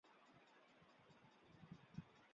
纤柄红豆为豆科红豆属下的一个种。